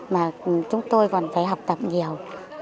mà chúng tôi còn phải học tập nhiều